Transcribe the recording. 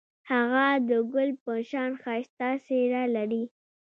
هغه د ګل په شان ښایسته څېره لري.